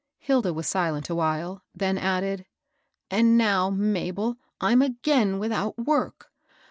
Hilda was silent awhile, then added, ^^And now, Mabel, I'm again without work